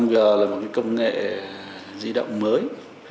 năm g là một công nghệ di động mới